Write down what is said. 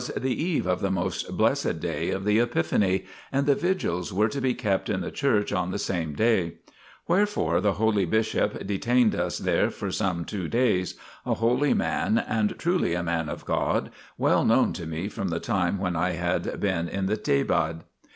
PI. XXXII.) [Facing page 16 THE PILGRIMAGE OF ETHERIA 17 the eve of the most blessed day of the Epiphany, and the vigils were to be kept in the church on the same day. Wherefore the holy bishop detained us there for some two days, a holy man and truly a man of God, well known to me from the time when I had been in the Thebaid.